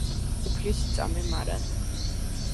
უფლის იწამე მარად.